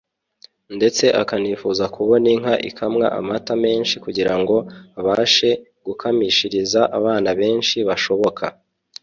ndetse akanifuza kubona inka ikamwa amata menshi kugira ngo abashe gukamishiriza abana benshi bashoboka